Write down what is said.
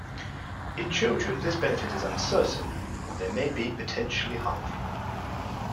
In children this benefit is uncertain and they may be potentially harmful.